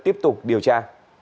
tiếp tục điều tra